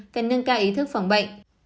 cần nâng cao ý thức phòng bệnh